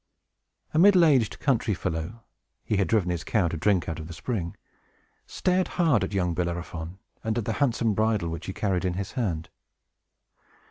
A middle aged country fellow (he had driven his cow to drink out of the spring) stared hard at young Bellerophon, and at the handsome bridle which he carried in his hand.